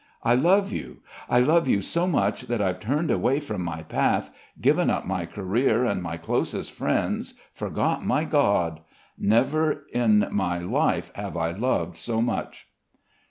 I love you, I love you so much that I've turned away from my path, given up my career and my closest friends, forgot my God. Never in my life have I loved so much."